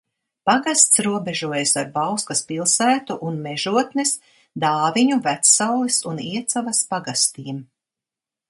Pagasts robežojas ar Bauskas pilsētu un Mežotnes, Dāviņu, Vecsaules un Iecavas pagastiem.